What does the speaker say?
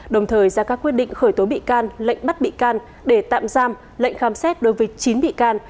đồng thời ra các quyết định khởi tố bị can lệnh bắt bị can để tạm giam lệnh khám xét đối với chín bị can